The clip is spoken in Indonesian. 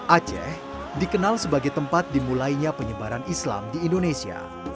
aceh dikenal sebagai tempat dimulainya penyebaran islam di indonesia